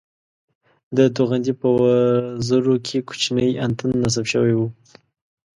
د توغندي په وزرو کې کوچنی انتن نصب شوی وو